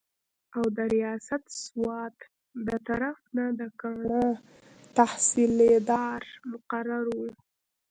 او د رياست سوات دطرف نه د کاڼا تحصيلدار مقرر وو